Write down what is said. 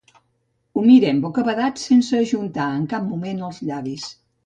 Ho mirem bocabadats, sense ajuntar en cap moment els llavis.